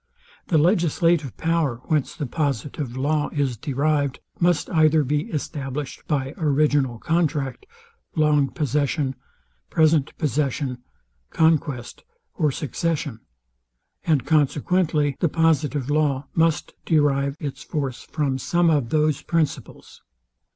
The legislative power, whence the positive law is derived, must either be established by original contract, long possession, present possession, conquest, or succession; and consequently the positive law must derive its force from some of those principles.